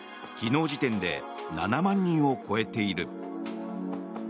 昨日時点で７万人を超えている。